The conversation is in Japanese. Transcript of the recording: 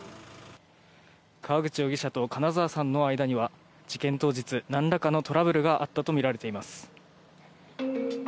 川口容疑者と金沢さんの間には事件当日、何らかのトラブルがあったとみられています。